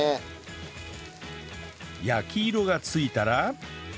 焼き色がついたら